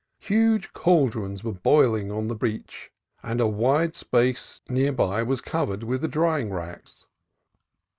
Huge cauldrons were boiling on the beach, and a wide space near by was covered with the drying racks.